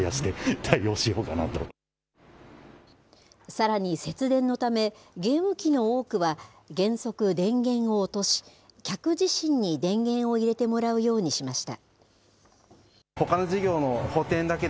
さらに節電のため、ゲーム機の多くは、原則、電源を落とし、客自身に電源を入れてもらうようにしました。